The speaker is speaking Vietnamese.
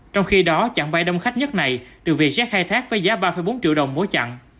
trong khi đó chặng bay đông khách nhất này được vietjet khai thác với giá ba bốn triệu đồng mỗi chặng